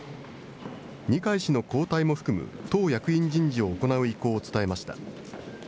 二階氏の交代も含む、党役員人事を行う意向を伝えました。